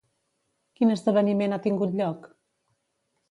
Quin esdeveniment ha tingut lloc?